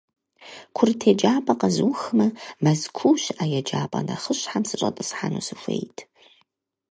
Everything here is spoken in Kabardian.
Курыт еджапӀэр къэзухмэ, Мэзкуу щыӀэ еджапӏэ нэхъыщхьэм сыщӏэтӏысхьэну сыхуейт.